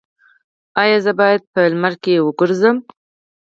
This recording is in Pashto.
ایا زه باید په لمر کې وګرځم؟